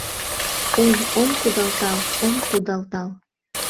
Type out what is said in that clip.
Ой, ом кудалтал, ом кудалтал